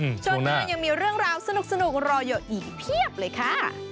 ช่วงหน้ายังมีเรื่องราวสนุกรออยู่อีกเพียบเลยค่ะ